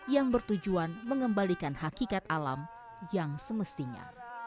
yang bertujuan mengembalikan hakikat alam yang semestinya